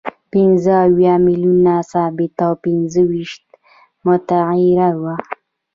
پنځه اویا میلیونه ثابته او پنځه ویشت متغیره وه